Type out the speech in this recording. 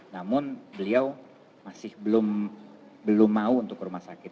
namun beliau masih belum mau untuk ke rumah sakit